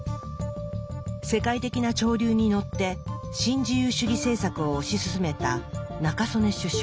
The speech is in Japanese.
世界的な潮流に乗って新自由主義政策を推し進めた中曽根首相。